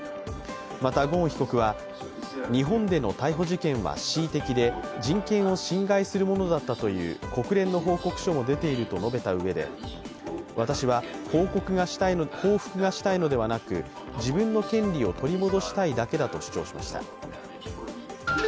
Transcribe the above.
また、ゴーン被告は日本での逮捕事件は恣意的で、人権を侵害するものだったという国連の報告書も出ていると述べたうえで私は報復がしたいのではなく自分の権利を取り戻したいだけだと主張しました。